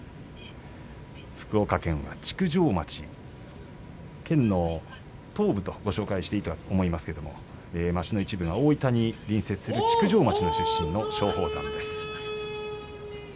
福岡県築上町、県の東部とご紹介していたと思いますが町の一部が大分に隣接する築上町の出身の松鳳山です。